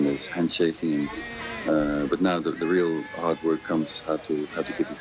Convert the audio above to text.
เธอได้ได้ยินอะไรจากพี่เบ้อท่านหรือเปล่า